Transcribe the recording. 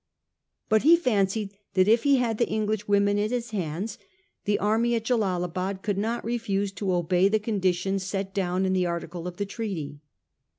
But he fancied that if he had the Eng lish women in his hands the army at Jellalabad could not refuse to obey the condition set down in the article of the treaty.